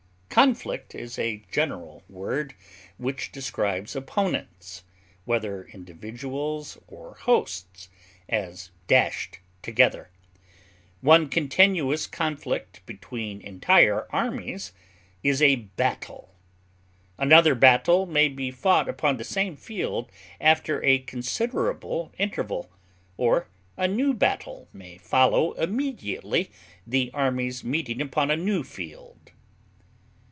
Conflict is a general word which describes opponents, whether individuals or hosts, as dashed together. One continuous conflict between entire armies is a battle. Another battle may be fought upon the same field after a considerable interval; or a new battle may follow immediately, the armies meeting upon a new field.